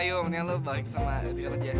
ayo mendingan lo balik sama adik adik aja